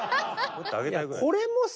これもさ